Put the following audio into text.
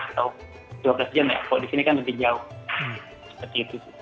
kalau di sini kan lebih jauh seperti itu